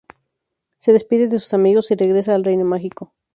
Se despide de sus amigos, y regresa al Reino Mágico.